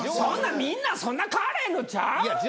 みんなそんな変わらへんのちゃう？